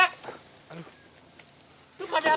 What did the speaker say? aku mati di tembok ape